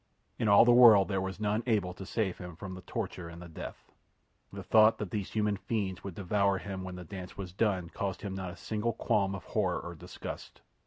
In all the world there was none able to save him from the torture and the death. The thought that these human fiends would devour him when the dance was done caused him not a single qualm of horror or disgust.